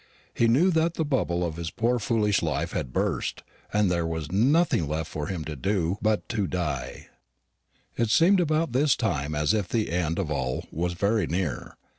He knew that the bubble of his poor foolish life had burst, and that there was nothing left for him but to die. It seemed about this time as if the end of all was very near.